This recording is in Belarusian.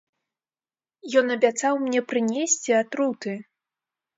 Ён абяцаў мне прынесці атруты!